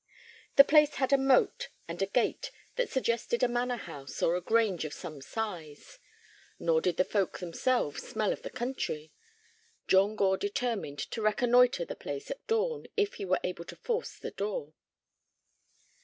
The place had a moat and a gate that suggested a manor house or a grange of some size. Nor did the folk themselves smell of the country. John Gore determined to reconnoitre the place at dawn if he were able to force the door.